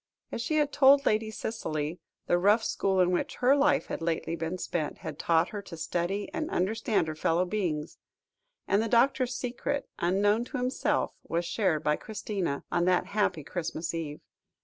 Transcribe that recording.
As she had told Lady Cicely, the rough school in which her life had lately been spent, had taught her to study and understand her fellow beings, and the doctor's secret, unknown to himself, was shared by Christina, on that happy Christmas Eve.